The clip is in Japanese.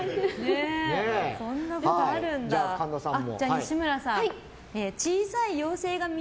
西村さん